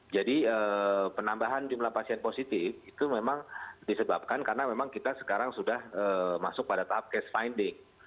jadi penambahan jumlah pasien positif itu memang disebabkan karena memang kita sekarang sudah masuk pada tahap case finding